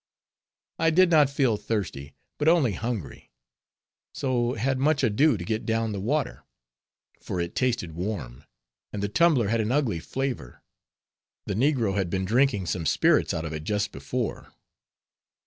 I did not feel thirsty, but only hungry; so had much ado to get down the water; for it tasted warm; and the tumbler had an ugly flavor; the negro had been drinking some spirits out of it just before.